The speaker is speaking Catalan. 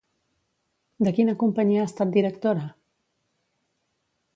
De quina companyia ha estat directora?